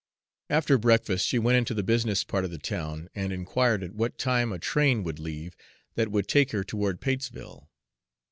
After breakfast she went into the business part of the town and inquired at what time a train would leave that would take her toward Patesville.